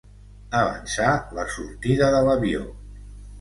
Avançar la sortida de l'avió.